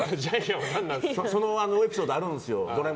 そのエピソードあるんですよ。